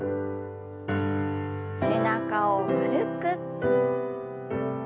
背中を丸く。